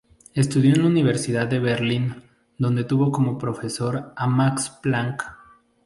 Estudió en la Universidad de Berlín, donde tuvo como profesor a Max Planck.